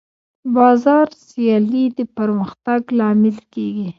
د بازار سیالي د پرمختګ لامل کېږي.